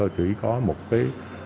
chỉ có một cái